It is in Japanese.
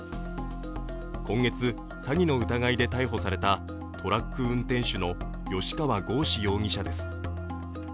今月、詐欺の疑いで逮捕されたトラック運転手の吉川剛司容疑者です。